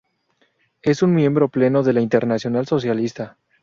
Es un miembro pleno de la Internacional Socialista.